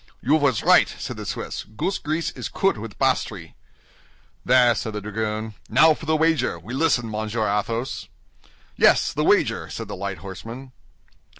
"You was right," said the Swiss; "goose grease is kood with basdry." "There!" said the dragoon. "Now for the wager! We listen, Monsieur Athos." "Yes, the wager!" said the light horseman.